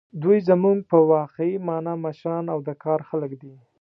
دوی زموږ په واقعي مانا مشران او د کار خلک دي.